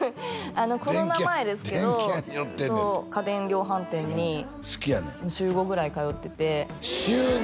コロナ前ですけど家電量販店に週５ぐらい通ってて週５！？